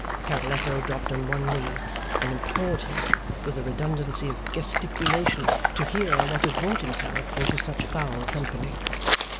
Cavalletto dropped on one knee, and implored him, with a redundancy of gesticulation, to hear what had brought himself into such foul company.